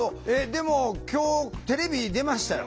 でも今日テレビ出ましたよ？